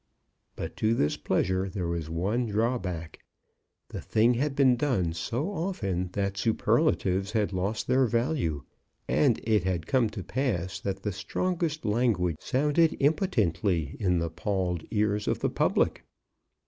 But to this pleasure there was one drawback. The thing had been done so often that superlatives had lost their value, and it had come to pass that the strongest language sounded impotently in the palled ears of the public.